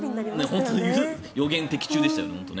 予言的中でしたよね。